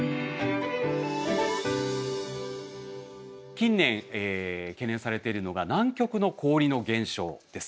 近年懸念されているのが南極の氷の減少です。